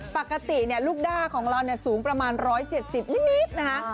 ปกติลูกด้าของเราสูงประมาณ๑๗๐นิดนะคะ